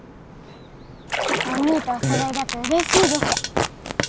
おにぃとおそろいだとうれしいでしょ？